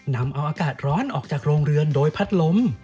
นำเอาอากาศร้อนออกจากโรงเรือนโดยพัดลม